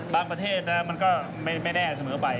ประเทศมันก็ไม่แน่เสมอไป